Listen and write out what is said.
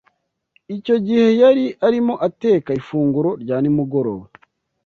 Icyo gihe yari arimo ateka ifunguro rya nimugoroba.